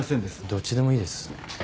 どっちでもいいです。